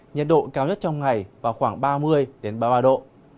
nhiệt độ cao nhất trong ngày vào khoảng ba mươi ba mươi ba độ